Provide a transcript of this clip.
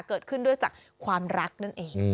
เกิดขึ้นด้วยจากความรักนั่นเอง